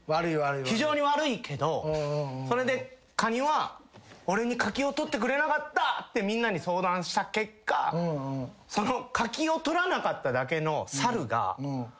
非常に悪いけどそれでカニは俺に柿を取ってくれなかったってみんなに相談した結果その柿を取らなかっただけの猿が。